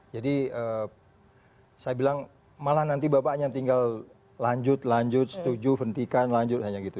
jadi saya bilang malah nanti bapak hanya tinggal lanjut lanjut setuju hentikan lanjut hanya gitu